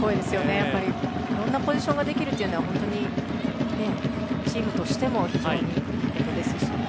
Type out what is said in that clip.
いろんなポジションができるのはチームとしても非常にいいことですし。